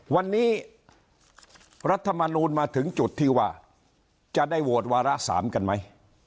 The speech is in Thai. วันนี้รัฐมนูลมาถึงจุดที่ว่าจะได้โหวตวาระ๓กันไหม